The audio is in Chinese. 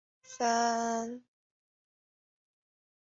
杰佛逊镇区为美国堪萨斯州杰佛逊县辖下的镇区。